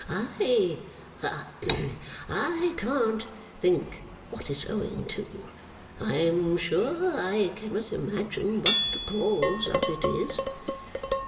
'I ha! I can't think what it's owing to. I am sure I cannot imagine what the cause of it is.